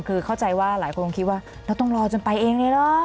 คือเข้าใจว่าหลายคนคงคิดว่าเราต้องรอจนไปเองเลยเหรอ